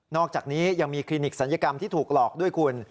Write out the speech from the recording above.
อกจากนี้ยังมีคลินิกศัลยกรรมที่ถูกหลอกด้วยคุณ